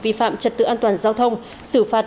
vi phạm trật tự an toàn giao thông xử phạt